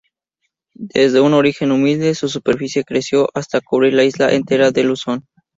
Desde un origen humilde, su superficie creció hasta cubrir la isla entera de Luzón.